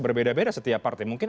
berbeda beda setiap partai